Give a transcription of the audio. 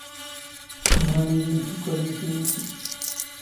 ⵖⵔⴰⵏ ⵉⵢⵉ ⵉⵎⴷⴷⵓⴽⴽⴰⵍ ⵉⵏⵓ ⵙ ⵉⵎⵏⵙⵉ.